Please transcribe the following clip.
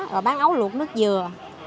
rồi bán ấu luộc nước dừa